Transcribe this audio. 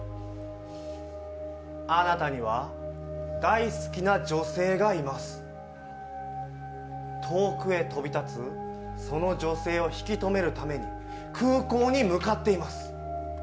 あなたには、大好きな女性がいます遠くへ飛び立つ、その女性を引きとめるために空港に向かっています。